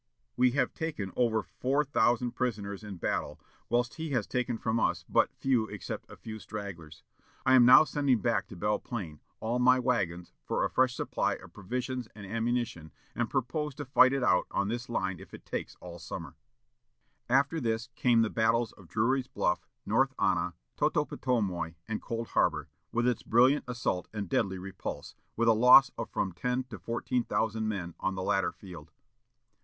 We have taken over four thousand prisoners in battle, whilst he has taken from us but few except a few stragglers. I am now sending back to Belle Plain all my wagons for a fresh supply of provisions and ammunition, and purpose to fight it out on this line if it takes all summer." After this came the battles of Drury's Bluff, North Anna, Totopotomoy, and Cold Harbor, with its brilliant assault and deadly repulse, with a loss of from ten to fourteen thousand men on the latter field.